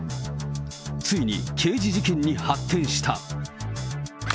ついに刑事事件に発展した。